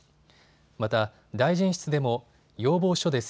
また、大臣室でも要望書です。